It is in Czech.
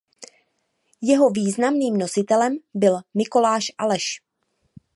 Jeho významným nositelem byl Mikoláš Aleš.